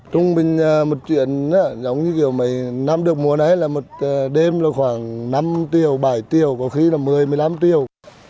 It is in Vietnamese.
trung bình một chuyện giống như kiểu mấy năm được mua này là một đêm là khoảng năm tiêu bảy tiêu có khi là một mươi một mươi năm tiêu